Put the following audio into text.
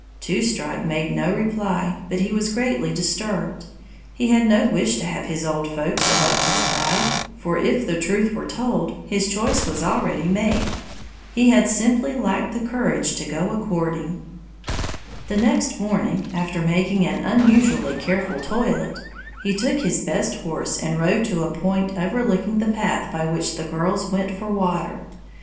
Two Strike made no reply, but he was greatly disturbed. He had no wish to have the old folks select his bride, for if the truth were told, his choice was already made. He had simply lacked the courage to go a courting! The next morning, after making an unusually careful toilet, he took his best horse and rode to a point overlooking the path by which the girls went for water.